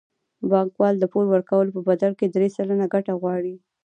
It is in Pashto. بانکوال د پور ورکولو په بدل کې درې سلنه ګټه غواړي